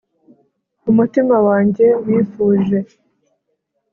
umutima wanjye wifuje